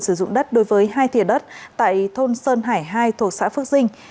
sử dụng đất đối với hai thịa đất tại thôn sơn hải hai thuộc xã phước dinh